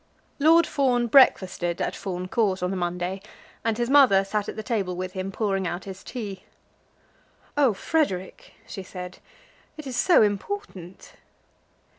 Lord Fawn breakfasted at Fawn Court on the Monday, and his mother sat at the table with him, pouring out his tea. "Oh, Frederic," she said, "it is so important!"